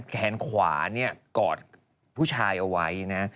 แขนขวาเนี่ยกอดผู้ชายเอาไว้นะ